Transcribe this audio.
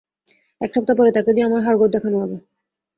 এক সপ্তাহ পরে তাকে দিয়ে আমার হাড়গোড় দেখান হবে।